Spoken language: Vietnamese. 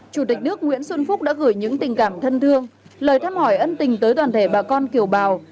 chủ tịch nước nguyễn xuân phúc đã gửi những tình cảm thân thương lời thăm hỏi ân tình tới toàn thể bà con kiều bào